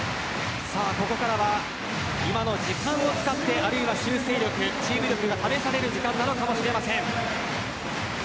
ここからは、今の時間を使ってあるいは修正力チーム力が試される時間となるかもしれません。